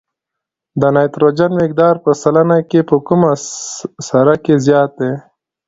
د نایتروجن مقدار په سلنه کې په کومه سره کې زیات دی؟